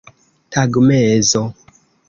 tagmezo